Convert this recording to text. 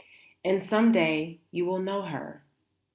And some day you will know her.